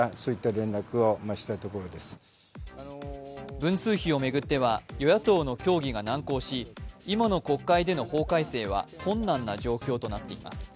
文通費を巡っては与野党の協議が難航し、今の国会での法改正は困難な状況となっています。